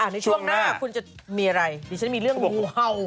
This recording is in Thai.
ในช่วงหน้าคุณจะมีอะไรดิฉันมีเรื่องงูเห่า